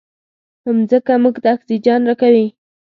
مځکه موږ ته اکسیجن راکوي.